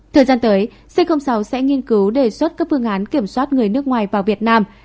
thời gian tới c sáu sẽ nghiên cứu đề xuất các phương án kiểm soát người nước ngoài vào việt nam